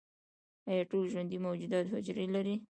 ایا ټول ژوندي موجودات حجرې لري؟